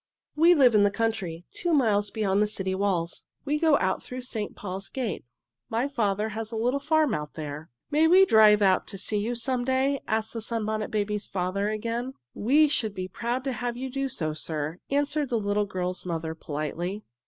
"We live in the country, two miles beyond the city walls. We go out through St. Paul's Gate. My father has a little farm out there." "May we drive out to see you some day?" asked the Sunbonnet Babies' father again. "We should be proud to have you do so, sir," answered the little girl's mother politely.